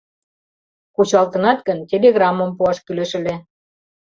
— Кучалтынат гын, телеграммым пуаш кӱлеш ыле.